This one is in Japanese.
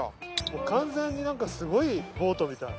う完全になんかすごいボートみたい。